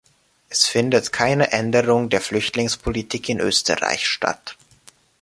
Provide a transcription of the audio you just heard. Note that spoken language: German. Es findet keine Änderung der Flüchtlingspolitik in Österreich statt!